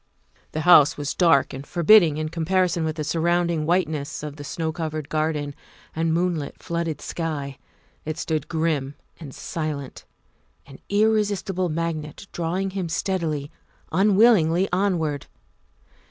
The house was dark and forbidding in comparison with the surrounding whiteness of the snow covered garden and moonlight flooded sky. It stood grim and silent, an irresistible magnet drawing him steadily, un willingly onward.